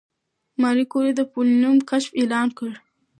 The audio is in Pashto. ماري کوري د پولونیم کشف اعلان کړ.